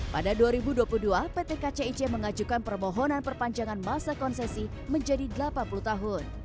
pada dua ribu dua puluh dua pt kcic mengajukan permohonan perpanjangan masa konsesi menjadi delapan puluh tahun